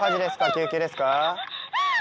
救急ですか？